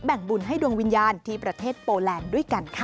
่งบุญให้ดวงวิญญาณที่ประเทศโปแลนด์ด้วยกันค่ะ